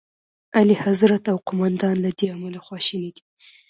اعلیخضرت او قوماندان له دې امله خواشیني دي.